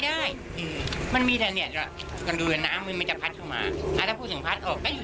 ได้อืมมันมีแต่เนี้ยก็ดูน้ำมันจะพัดเข้ามาอ่าถ้าพูดถึงพัดออกก็อยู่